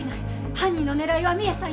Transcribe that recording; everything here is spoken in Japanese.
犯人の狙いは美恵さんよ。